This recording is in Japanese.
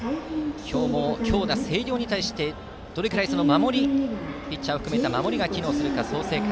今日も強打の星稜に対してピッチャーを含めた守りが機能するか、創成館。